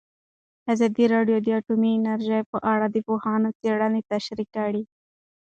ازادي راډیو د اټومي انرژي په اړه د پوهانو څېړنې تشریح کړې.